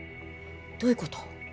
どういうこと？